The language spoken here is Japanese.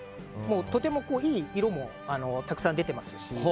とてもいい色もたくさん、出てますし。